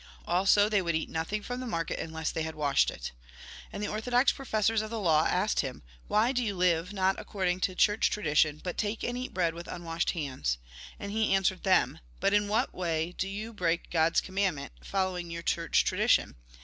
Also, they would eat nothing from the market unless they had washed it. And the orthodox professors of the law asked him :" Why do you live not according to church tradition, but take and eat bread with unwashed hands ?" And he answered them :" But in what way do you break God's commandment, following your church tradition